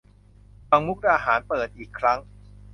ฝั่งมุกดาหาร เปิดอีกครั้ง